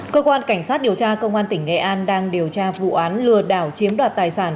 cơ quan cảnh sát điều tra công an tỉnh nghệ an đang điều tra vụ án lừa đảo chiếm đoạt tài sản